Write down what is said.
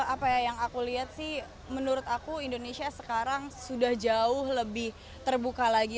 apa ya yang aku lihat sih menurut aku indonesia sekarang sudah jauh lebih terbuka lagi